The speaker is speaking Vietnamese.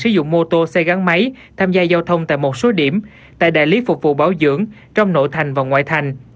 sử dụng mô tô xe gắn máy tham gia giao thông tại một số điểm tại đại lý phục vụ bảo dưỡng trong nội thành và ngoại thành